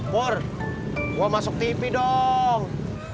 pur gua masuk tv dong